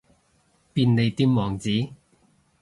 便利店王子